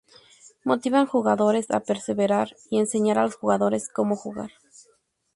Motivan jugadores a perseverar y enseñar a los jugadores cómo jugar.